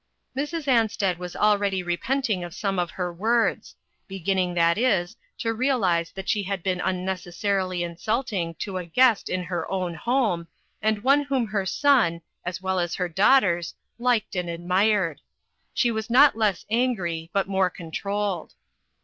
Mrs. Ansted was already repenting of some of her words beginning, that is, to realize that she had been unnecessarily in sulting to a guest in her own home, and one whom her son, as well as her daugh ters, liked and admired. She was not less angry, but more controlled.